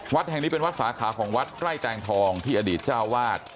วัดแห่งนี้เป็นวัดสาขาของวัดไร่แตงทองที่อดีตเจ้าวาด